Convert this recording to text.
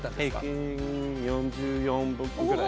平均４４ぐらい。